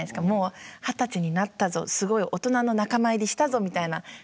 もう二十歳になったぞすごい大人の仲間入りしたぞみたいな。